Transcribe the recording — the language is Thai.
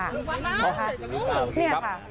แต่ผู้หญิงพาเบน